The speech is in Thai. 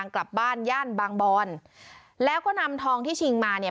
กลับบ้านย่านบางบอนแล้วก็นำทองที่ชิงมาเนี่ย